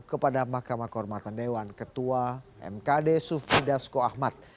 kepada mahkamah kehormatan dewan ketua mkd sufmi dasko ahmad